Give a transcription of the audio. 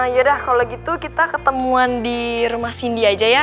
yaudah kalau gitu kita ketemuan di rumah cindy aja ya